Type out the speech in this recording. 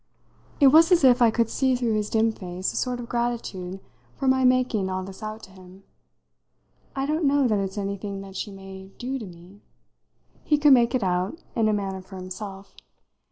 It was as if I could see through his dim face a sort of gratitude for my making all this out to him. "I don't know that it's anything that she may do to me." He could make it out in a manner for himself.